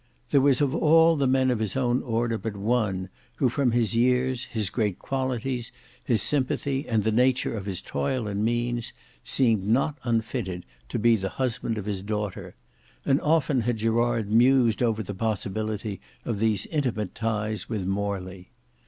There was of all the men of his own order but one, who from his years, his great qualities, his sympathy, and the nature of his toil and means, seemed not unfitted to be the husband of his daughter; and often had Gerard mused over the possibility of these intimate ties with Morley.